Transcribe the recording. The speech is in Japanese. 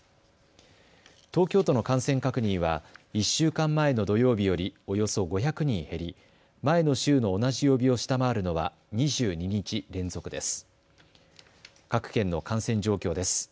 東京都の感染確認は１週間前の土曜日よりおよそ５００人減り前の週の同じ曜日を下回るのは２２日連続です。